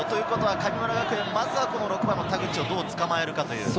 神村学園、まずは６番の田口をどう捕まえるかということ。